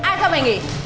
ai cho mày nghỉ